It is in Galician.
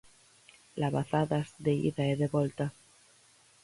Labazadas de ida e de volta.